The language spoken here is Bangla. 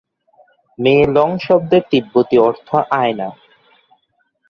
মে-লোং শব্দের তিব্বতী অর্থ আয়না।